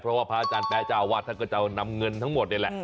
เพราะว่าพระอาจารย์แปดจะเอาวัสถะทะทะเจอน้ำเงินทั้งหมดได้แหละ